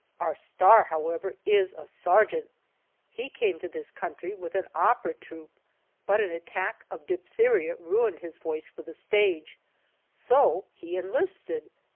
Our star, however, is a sergeant! He came to this country with an opera troupe, but an attack of diphtheria ruined his voice for the stage, so he enlisted!